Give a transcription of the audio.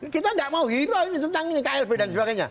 kita tidak mau hero ini tentang ini klb dan sebagainya